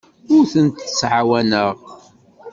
Ur tent-ttɛawaneɣ.